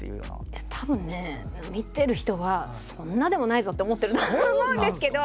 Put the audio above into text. いやたぶんね見てる人はそんなでもないぞって思ってるんだと思うんですけど。